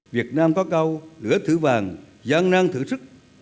việt nam có câu lửa thử vàng gian năng thử sức